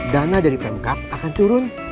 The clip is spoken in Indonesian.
dana dari pemkap akan turun